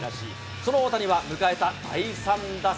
その大谷は迎えた第３打席。